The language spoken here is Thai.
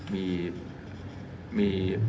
มี